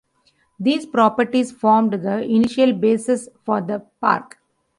These properties formed the initial basis for the park.